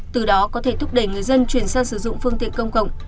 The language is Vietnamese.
từ đó có thể thúc đẩy người dân chuyển sang sử dụng phương tiện công cộng